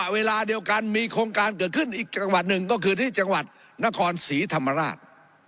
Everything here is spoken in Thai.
เวลาเดียวกันมีโครงการเกิดขึ้นอีกจังหวัดหนึ่งก็คือที่จังหวัดนครศรีธรรมราช